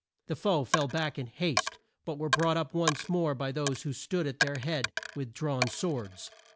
The foe fell back in haste, but were brought up once more by those who stood at their head with drawn swords.